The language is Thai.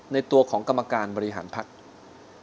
ในตัวของกรรมการบริหารพักเกียรติ